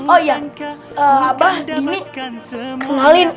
oh iya abah dini kenalin